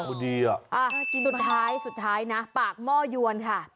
โอ้โฮดีอ่ะสุดท้ายนะปากหม้อยวนค่ะ